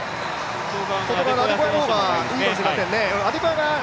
アデコヤの方がいいかもしれませんね。